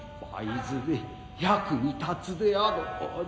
いずれ役に立つであろう。